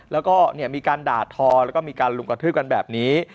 แล้วก็มีการด่าทอแล้วก็มีการลุมกระทืบกันแบบนี้